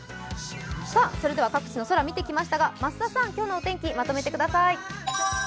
各地の空を見てきましたが増田さん、今日のお天気まとめてください。